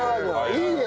いいね！